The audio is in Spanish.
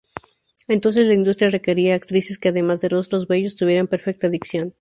Entonces la industria requería actrices que, además de rostros bellos, tuvieran perfecta dicción.